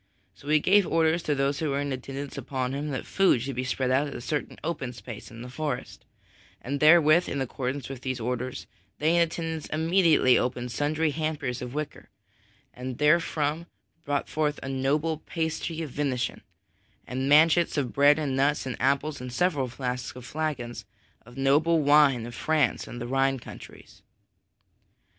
So he gave orders to those who were in attendance upon him that food should be spread at a certain open space in the forest; and therewith, in accordance with those orders, they in attendance immediately opened sundry hampers of wicker, and therefrom brought forth a noble pasty of venison, and manchets of bread and nuts and apples and several flasks and flagons of noble wine of France and the Rhine countries.